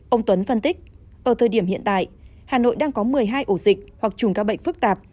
ông tuấn phân tích ở thời điểm hiện tại hà nội đang có một mươi hai ổ dịch hoặc chùm ca bệnh phức tạp